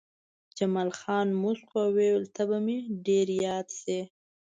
جمال خان موسک شو او وویل چې ته به مې ډېر یاد شې